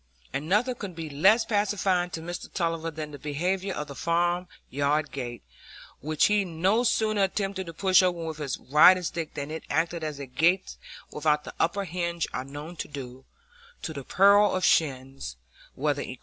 And nothing could be less pacifying to Mr Tulliver than the behaviour of the farmyard gate, which he no sooner attempted to push open with his riding stick than it acted as gates without the upper hinge are known to do, to the peril of shins, whether equine or human.